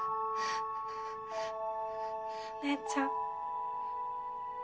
お姉ちゃん。